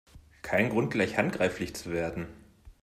Kein Grund, gleich handgreiflich zu werden!